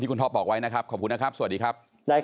ขอบคุณนะครับคุณท็อปครับ